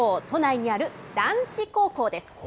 都内にある男子高校です。